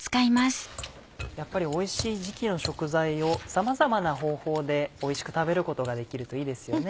やっぱりおいしい時期の食材をさまざまな方法でおいしく食べることができるといいですよね。